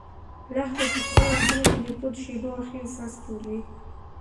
لښتې په خپلو لاسو کې د تودو شيدو اخري څاڅکی ولید.